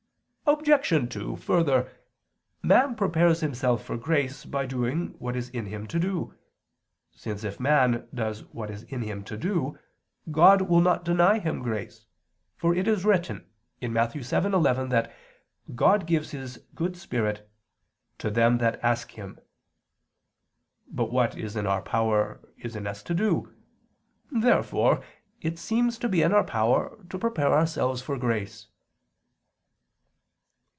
Obj. 2: Further, man prepares himself for grace by doing what is in him to do, since if man does what is in him to do, God will not deny him grace, for it is written (Matt. 7:11) that God gives His good Spirit "to them that ask Him." But what is in our power is in us to do. Therefore it seems to be in our power to prepare ourselves for grace.